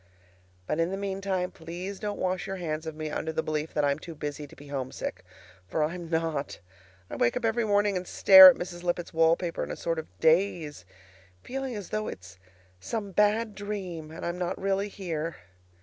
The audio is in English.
But in the meantime please don't wash your hands of me under the belief that I'm too busy to be homesick; for I'm not. I wake up every morning and stare at Mrs. Lippett's wallpaper in a sort of daze, feeling as though it's some bad dream, and I'm not really here.